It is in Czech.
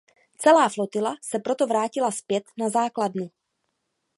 Celá flotila se proto vrátila zpět na základnu.